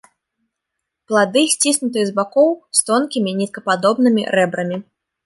Плады сціснутыя з бакоў, з тонкімі ніткападобнымі рэбрамі.